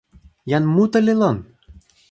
jan mute li lon!